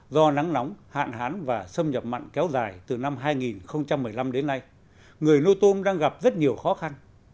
do nắng nóng hạn hán và xâm nhập mặn kéo dài từ năm hai nghìn một mươi năm đến nay người nuôi tôm đang gặp rất nhiều khó khăn